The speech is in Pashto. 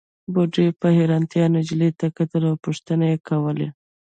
بوډۍ په حيرانۍ نجلۍ ته کتل او پوښتنې يې کولې.